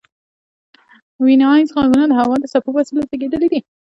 ویناییز غږونه د هوا د څپو په وسیله زیږیدلي دي